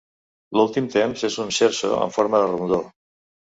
L'últim temps és un Scherzo en forma de rondó.